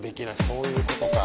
そういうことか。